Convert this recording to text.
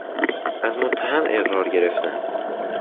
از متهم اقرار گرفتن